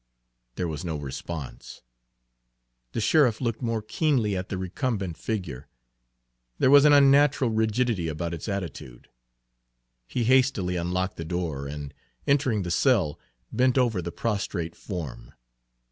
There was no response. The sheriff looked more keenly at the recumbent figure; there was an unnatural rigidity about its attitude. He hastily unlocked the door and, entering the cell, bent over the prostrate form.